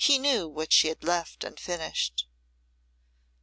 He knew what she had left unfinished.